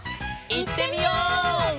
いってみよう！